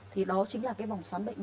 thì đó chính là vòng xoắn bệnh lý